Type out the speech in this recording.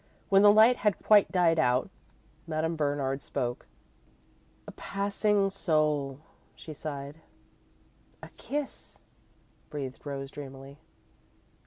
When the light had quite died out, Madame Bernard spoke. "A passing soul," she sighed. "A kiss," breathed Rose, dreamily.